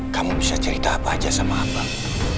kamu bisa cerita apa aja sama abang